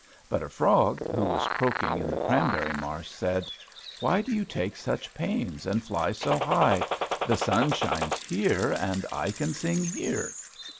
But a frog, who was croaking in the cranberry marsh, said, "Why do you take such pains and fly so high? the sun shines here, and I can sing here."